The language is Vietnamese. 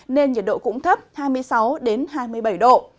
nên nhiệt độ cũng thấp hai mươi sáu hai mươi bảy độ